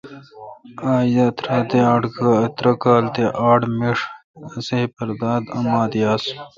اج داترہ تے آڑ کال میݭ اسے پرداداُماپر یاس۔